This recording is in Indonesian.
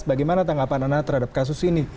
bagaimana tanggapan anda terhadap kasus ini